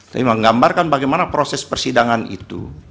tapi menggambarkan bagaimana proses persidangan itu